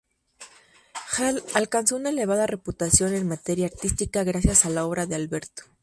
Halle alcanzó una elevada reputación en materia artística gracias a la obra de Alberto.